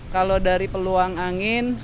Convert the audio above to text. kalau dari peluang angin